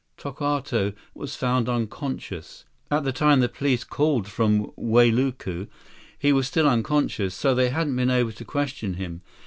Tokawto was found unconscious. At the time the police called from Wailuku, he was still unconscious, so they hadn't been able to question him.